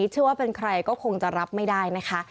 เชื่อว่าเป็นใครก็คงจะรับไม่ได้นะคะ